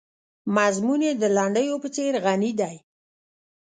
مضمون یې د لنډیو په څېر غني دی.